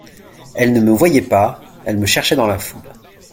Elle ne me voyait pas, elle me cherchait dans la foule.